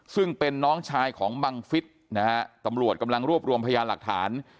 ซึ่งเป็นน้องชายของบังฟิศนะฮะตำรวจกำลังรวบรวมพยานหลักฐาน